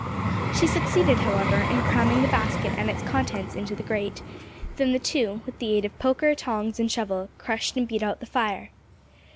She succeeded, however, in cramming the basket and its contents into the grate; then the two, with the aid of poker, tongs, and shovel, crushed and beat out the fire.